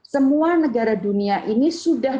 semua negara dunia ini sudah